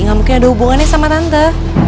gak mungkin ada hubungannya sama tante